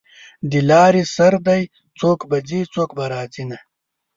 د لارې سر دی څوک به ځي څوک به راځینه